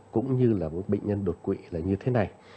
cũng như là bệnh nhân đột quỵ là như thế này